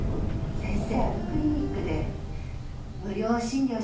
先生あのクリニックで無料診療したいんだって。